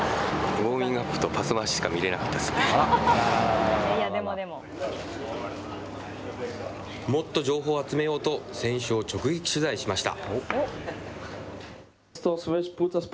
ウォーミングアップともっと情報を集めようと、選手を直撃取材しました。